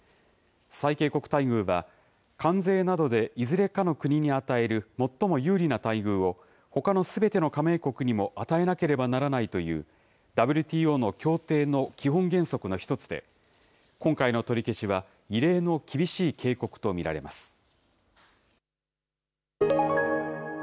最恵国待遇は、関税などでいずれかの国に与える最も有利な待遇を、ほかのすべての加盟国にも与えなければならないという、ＷＴＯの協定の基本原則の１つで、今回の取り消しは、異例の厳しい警告と見られます。